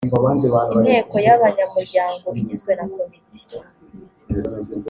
inteko y abanyamuryango igizwe na komite